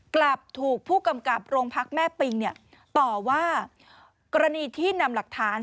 กลับถูกผู้กำกับโรงพักแม่ปิงเนี่ยต่อว่ากรณีที่นำหลักฐาน